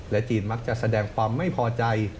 จีนมักจะแสดงความไม่พอใจ